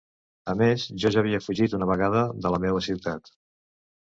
A més, jo ja havia fugit una vegada de la meua ciutat.